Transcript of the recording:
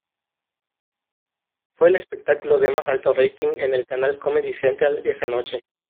Fue el espectáculo de más alto rating en el canal Comedy Central esa noche.